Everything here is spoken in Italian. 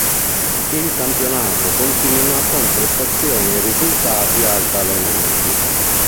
Il campionato continua con prestazioni e risultati altalenanti.